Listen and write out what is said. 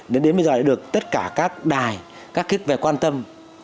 đến bây giờ được tất cả các đài các kết về quan tâm